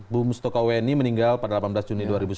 bu mustokoweni meninggal pada delapan belas juni dua ribu sepuluh